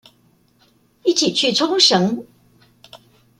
一起去沖繩